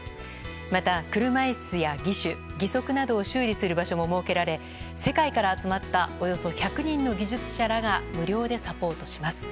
また車椅子や義手、義足などを修理する場所も設けられ世界から集まったおよそ１００人の技術者らが無料でサポートします。